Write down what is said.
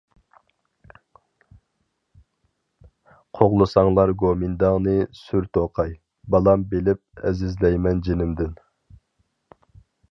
قوغلىساڭلار گومىنداڭنى سۈر-توقاي، بالام بىلىپ ئەزىزلەيمەن جېنىمدىن.